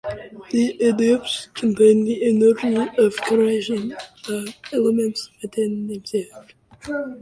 The adepts contain the energy of creation of elements within themselves.